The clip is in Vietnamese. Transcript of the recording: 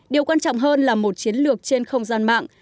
điều quan trọng hơn là một chiến lược trên không gian mạng